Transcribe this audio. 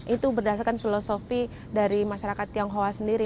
itu berdasarkan filosofi dari masyarakat tionghoa sendiri